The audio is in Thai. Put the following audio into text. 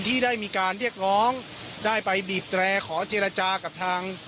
ที่ได้มีการเรียกร้องได้ไปบีบแตรขอเจรจากับทาง